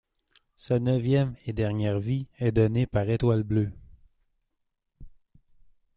Sa neuvième et dernière vie est donnée par Étoile Bleue.